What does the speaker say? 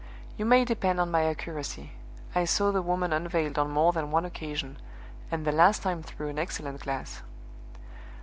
You may depend on my accuracy. I saw the woman unveiled on more than one occasion, and the last time through an excellent glass.